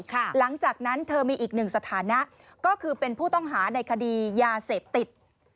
หลังจากนั้นเธอมีอีกหนึ่งสถานะก็คือเป็นผู้ต้องหาในคดียาเสพติด